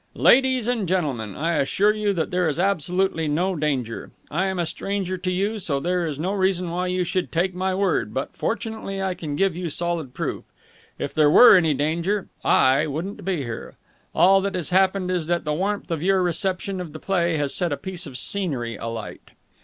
"Ladies and gentlemen, I assure you that there is absolutely no danger. I am a stranger to you, so there is no reason why you should take my word, but fortunately I can give you solid proof. If there were any danger, I wouldn't be here. All that has happened is that the warmth of your reception of the play has set a piece of scenery alight...."